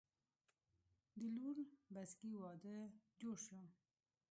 د لور بسکي وادۀ جوړ شو